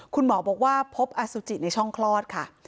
คุณหมอบอกว่าพบอสุจิในช่องคลอดค่ะ